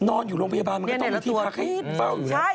นอนอยู่โรงพยาบาลมันก็ต้องมีที่พักให้เฝ้าอยู่แล้ว